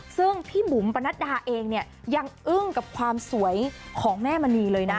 ซึ่งพี่บุ๋มปนัดดาเองเนี่ยยังอึ้งกับความสวยของแม่มณีเลยนะ